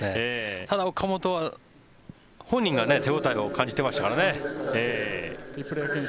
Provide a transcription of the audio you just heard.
ただ、岡本は本人が手応えを感じていましたからね。